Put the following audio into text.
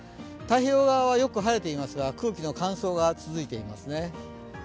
太平洋側はよく晴れていますが、空気の乾燥が続いていますね。